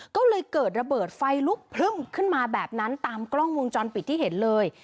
ก็เลยเกิดระเบิดไฟลุกพลึ่มขึ้นมาแบบนั้นตามกล้องวงจรปิดที่เห็นเลย